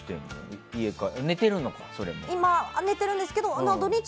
今は寝てるんですけど。